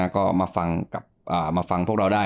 ก็มาฟังพวกเราได้